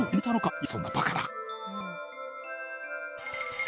いやそんなバカな。